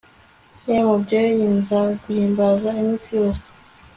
nte mubyeyi, nzaguhimbaza iminsi yose